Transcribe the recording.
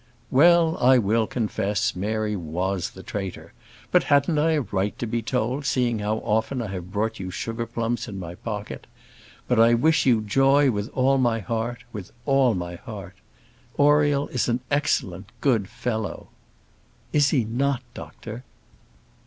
"Well, I will confess, Mary was the traitor. But hadn't I a right to be told, seeing how often I have brought you sugar plums in my pocket? But I wish you joy with all my heart, with all my heart. Oriel is an excellent, good fellow." "Is he not, doctor?"